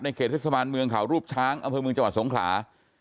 ในเกดสมานเมืองขาวรูปช้างบจสงคลา